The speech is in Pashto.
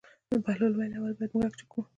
بهلول وویل: اول باید موږک جګ کړو.